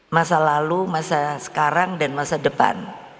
masa lalu masa sekarang dan masa depan